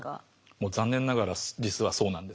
もう残念ながら実はそうなんですね。